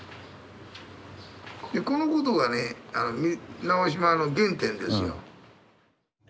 このことがね直島の原点ですよ。